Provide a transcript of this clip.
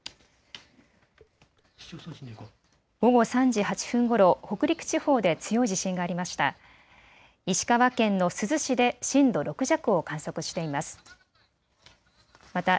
午後３時８分ごろ、北陸地方で強い地震がありました。